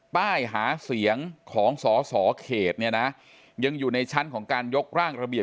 ป้ายหาเสียงของสอสอเขตเนี่ยนะยังอยู่ในชั้นของการยกร่างระเบียบ